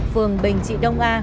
phường bình trị đông a